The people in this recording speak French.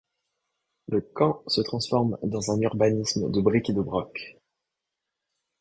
Le camp se transforme dans un urbanisme de bric et de broc.